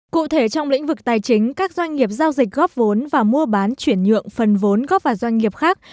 cụ thể trong lĩnh vực tài chính các doanh nghiệp giao dịch góp vốn và mua bán chuyển nhượng phần vốn góp vào doanh nghiệp khác